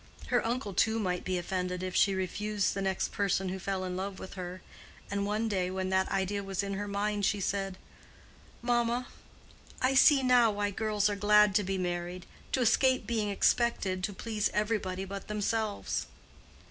Her uncle too might be offended if she refused the next person who fell in love with her; and one day when that idea was in her mind she said, "Mamma, I see now why girls are glad to be married—to escape being expected to please everybody but themselves."